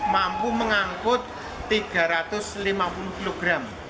mampu mengangkut tiga ratus lima puluh kg